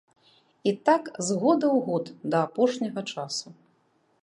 І так з года ў год да апошняга часу.